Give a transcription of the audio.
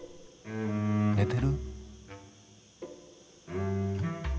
寝てる？